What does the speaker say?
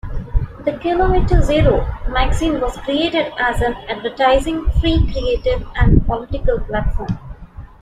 The "Kilometer Zero" magazine was created as an advertising free creative and political platform.